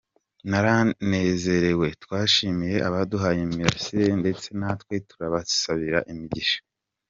Naranezerewe, twashimiye abaduhaye imirasire ndetse natwe turabasabira imigisha.